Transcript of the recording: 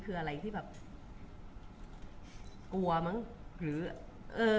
คุณผู้ถามเป็นความขอบคุณค่ะ